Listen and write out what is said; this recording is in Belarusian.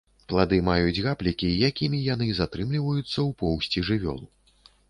Плады маюць гаплікі, якімі яны затрымліваюцца ў поўсці жывёл.